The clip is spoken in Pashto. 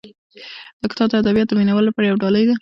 دا کتاب د ادبیاتو د مینه والو لپاره یو ډالۍ ده.